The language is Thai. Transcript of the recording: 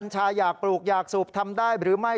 ชาอยากปลูกอยากสูบทำได้หรือไม่